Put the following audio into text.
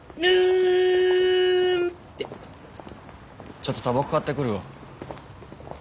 ちょっとたばこ買ってくるわ。